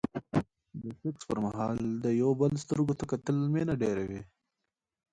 د سکس پر مهال د يو بل سترګو ته کتل مينه ډېروي.